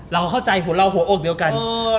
เราเข้าใจหัวเราหัวอกเดียวกัน